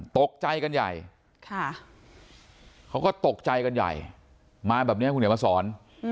ตกใจกันใหญ่เขาก็ตกใจกันใหญ่มาแบบนี้คุณเดี๋ยวมาสอน